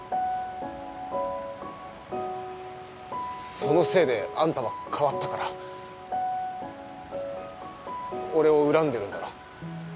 そのせいであんたは変わったから俺を恨んでるんだろ？